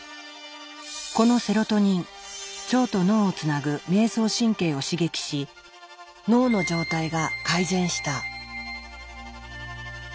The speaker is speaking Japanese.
このセロトニン腸と脳をつなぐ迷走神経を刺激し脳の状態が改善した。